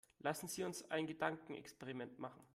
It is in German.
Lassen Sie uns ein Gedankenexperiment machen.